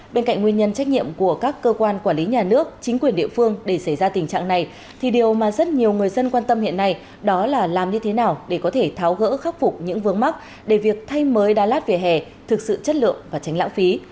bên cạnh nguyên nhân trách nhiệm của các cơ quan quản lý nhà nước chính quyền địa phương để xảy ra tình trạng này thì điều mà rất nhiều người dân quan tâm hiện nay đó là làm như thế nào để có thể tháo gỡ khắc phục những vướng mắc để việc thay mới đa lát vỉa hè thực sự chất lượng và tránh lãng phí